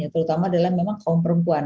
terutama adalah memang kaum perempuan